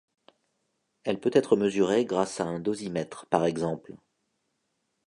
Elle peut être mesurée grâce à un dosimètre par exemple.